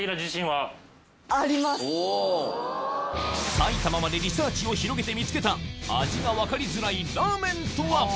埼玉までリサーチを広げて見つけた味が分かりづらいラーメンとは？